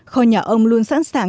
kho nhà ông luôn sẵn sàng